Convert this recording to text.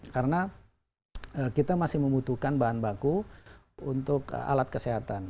karena kita masih membutuhkan bahan baku untuk alat kesehatan